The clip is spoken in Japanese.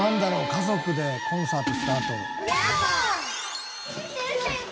家族でコンサートしたあと。